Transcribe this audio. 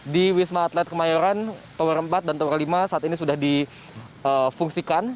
di wisma atlet kemayoran tower empat dan tower lima saat ini sudah difungsikan